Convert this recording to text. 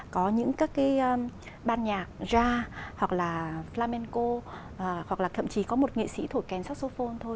có những các cái ban nhạc ra hoặc là lamenco hoặc là thậm chí có một nghệ sĩ thổi kèn saxophone thôi